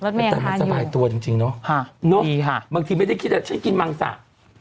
แต่มันสบายตัวจริงเนาะบางทีไม่ได้คิดฉันกินมังสะ